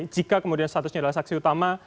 jika kemudian statusnya adalah saksi utama